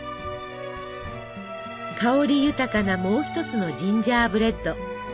香り豊かなもう一つのジンジャーブレッド。